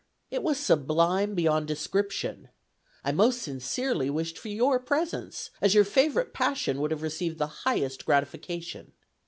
It was sublime beyond description. I most sincerely wished for your presence, as your favorite passion would have received the highest gratification.